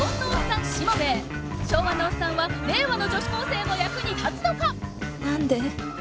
昭和のオッサンは令和の女子高生の役に立つのか！？何で？